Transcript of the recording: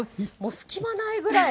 隙間ないぐらい